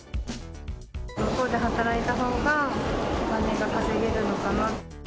向こうで働いたほうがお金が稼げるのかな。